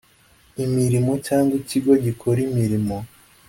imirimo cyangwa ikigo gikora imirimo